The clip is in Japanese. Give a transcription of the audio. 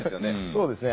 そうですね。